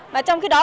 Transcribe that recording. mà trong khi đó